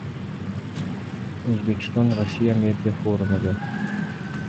O‘zbekiston – Rossiya media forumi